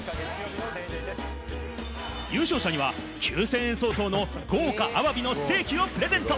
優勝者には９０００円相当の豪華アワビのステーキをプレゼント！